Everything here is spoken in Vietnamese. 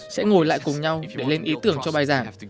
sẽ ngồi lại cùng nhau để lên ý tưởng cho bài giảng